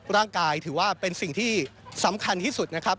ร่างกายถือว่าเป็นสิ่งที่สำคัญที่สุดนะครับ